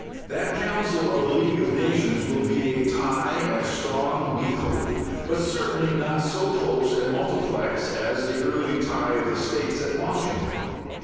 That council of the League of Nations will be a tie as strong, we hope, but certainly not so close and multiplex as the early tie of the States at Washington.